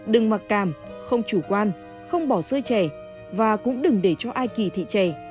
đừng mặc cảm không chủ quan không bỏ rơi trẻ và cũng đừng để cho ai kỳ thị trẻ